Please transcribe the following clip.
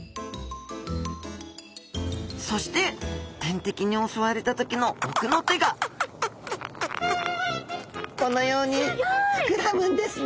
そして天敵に襲われた時の奥の手がこのように膨らむんですね。